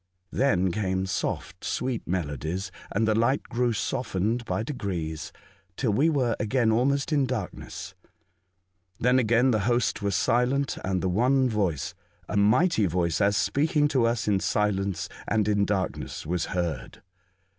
Then came soft, sweet melodies, and the light grew softened by degrees till we were again almost in darkness. Then again the host were silent, and one voice — a mighty voice, as speaking to us in silence and in darkness, was heard.